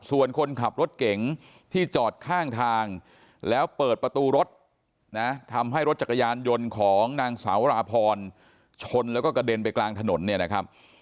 ส่วนคนขับรถเก๋งที่จอดข้างทางแล้วเปิดประตูรถนะทำให้รถจักรยานยนต์ของนางสาวราพรชนแล้วก็กระเด็นไปกลางถนนเนี่ยนะครับ